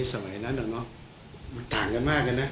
สมัยนั้นน่ะต่างกันมาก